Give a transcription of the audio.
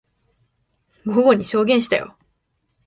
午後に証言したよ。